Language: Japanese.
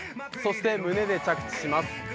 そして胸で着地します